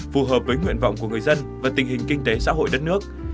phù hợp với nguyện vọng của người dân và tình hình kinh tế xã hội đất nước